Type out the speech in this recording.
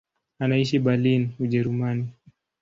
Anaishi Berlin, Ujerumani.